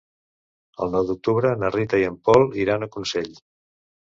El nou d'octubre na Rita i en Pol iran a Consell.